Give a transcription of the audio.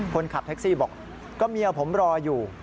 คนขับแท็กซี่บอกก็เมียผมรออยู่